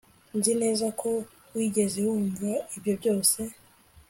Nzi neza ko wigeze wumva ibyo byose